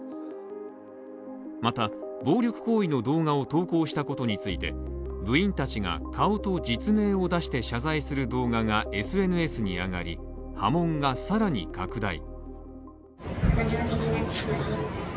また、暴力行為の動画を投稿したことについて、部員たちが顔と実名を出して謝罪する動画がＳＮＳに上がり、波紋が更に拡大。